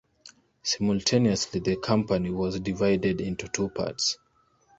Simultaneously the company was divided into two parts.